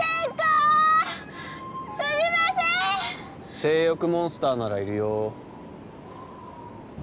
性欲モンスターならいるよ